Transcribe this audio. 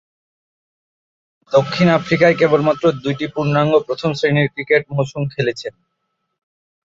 দক্ষিণ আফ্রিকায় কেবলমাত্র দুইটি পূর্ণাঙ্গ প্রথম-শ্রেণীর ক্রিকেট মৌসুম খেলেছেন।